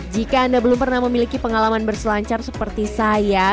jika anda belum pernah memiliki pengalaman berselancar seperti saya